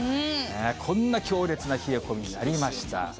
こんな強烈な冷え込みになりました。